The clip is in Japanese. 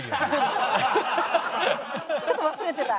ちょっと忘れてた。